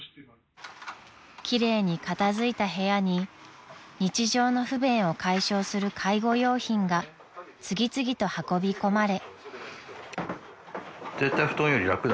［奇麗に片付いた部屋に日常の不便を解消する介護用品が次々と運び込まれ］